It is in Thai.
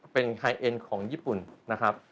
เป็นไฮเอ็นของญี่ปุ่นนะครับ